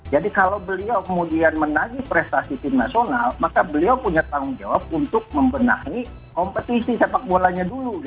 jadi kalau beliau kemudian menaiki prestasi tim nasional maka beliau punya tanggung jawab untuk memenangi kompetisi sepak bolanya dulu